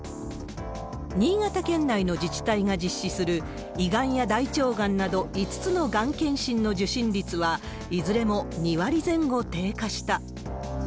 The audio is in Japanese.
新潟県内の自治体が実施する胃がんや大腸がんなど、５つのがん検診の受診率は、いずれも２割前後低下した。